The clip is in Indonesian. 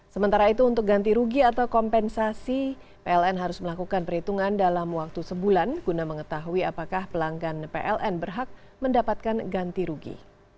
sementara itu untuk ganti rugi atau kompensasi pln harus melakukan perhitungan dalam waktu sebulan guna mengetahui apakah pelanggan pln berhak mendapatkan ganti rugi